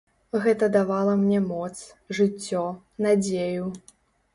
Гэта давала мне моц, жыццё, надзею.